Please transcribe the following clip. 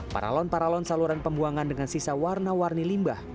paralon paralon saluran pembuangan dengan sisa warna warni limbah